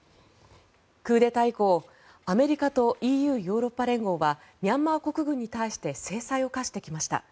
クーデター以降、アメリカとＥＵ・ヨーロッパ連合はミャンマー国軍に対して制裁を科してきました。